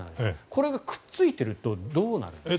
これがくっついているとどうなるんですか？